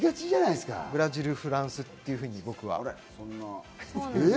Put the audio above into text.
ブラジル、フランスっていうふうに、僕は。